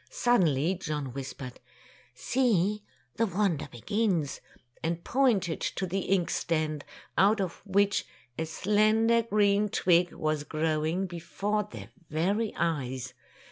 Suddenly John whispered, "See, the wonder begins!'' and pointed to the ink stand, out of which a slender green twig was growing before their very eyes.